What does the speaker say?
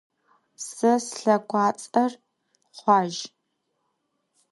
Se slhekhuats'er Xhuazj.